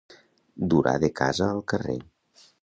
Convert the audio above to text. Durar de casa al carrer.